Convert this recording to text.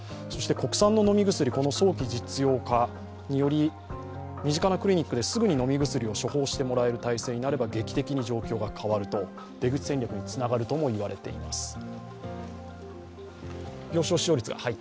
そして国産の飲み薬早期実用化により身近なクリニックですぐに飲み薬を処方してもらえる体制になると劇的に状況が変わると、出口戦略につながるともいわれています。